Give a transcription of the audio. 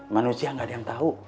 manusia gak ada yang tahu